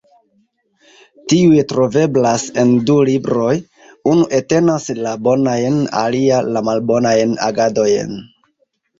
Tiuj troveblas en du libroj: unu entenas la bonajn alia la malbonajn agadojn.